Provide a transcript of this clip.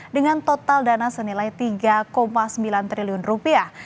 dengan total dana senilai tiga sembilan triliun rupiah